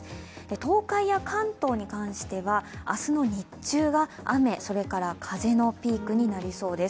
東海や関東に関しては明日の日中が雨それから風のピークになりそうです。